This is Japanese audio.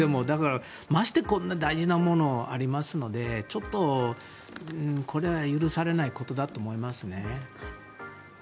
ましてやこんな大事なものがありますのでこれは許されないことだと思いますね。